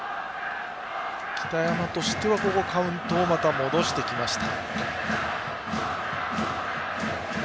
北山としてはカウントを戻してきました。